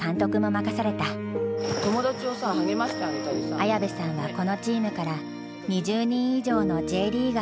綾部さんはこのチームから２０人以上のＪリーガーを送り出した。